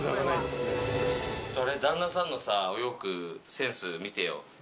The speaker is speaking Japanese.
旦那さんのさ、お洋服センスみてよ。